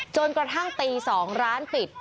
จนกระทั่งตี๒ร้านปิด